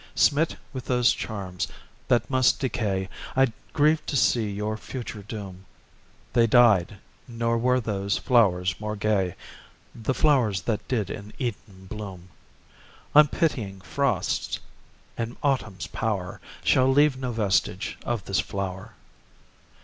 Smit with those charms, that must decay, I grieve to see your future doom; They died nor were those flowers more gay, The flowers that did in Eden bloom; Unpitying frosts, and Autumn's power, Shall leave no vestige of this flower.